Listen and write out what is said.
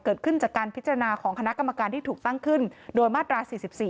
เกิดขึ้นจากการพิจารณาของคณะกรรมการที่ถูกตั้งขึ้นโดยมาตรา๔๔